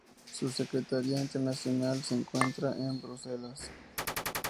Su Secretaría Internacional se encuentra en Bruselas.